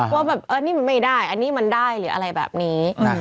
ว่าแบบอันนี้มันไม่ได้อันนี้มันได้หรืออะไรแบบนี้